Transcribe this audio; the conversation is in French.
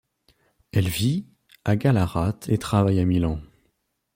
Elle vit à Gallarate et travaille à Milan.